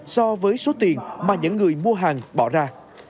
so với số tiền mà những người mua hàng bỏ ra